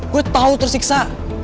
gue tau tersiksa